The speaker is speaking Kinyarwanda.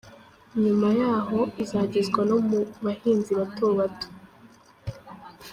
Nyuma yaho, izagezwa no mu bahinzi bato bato.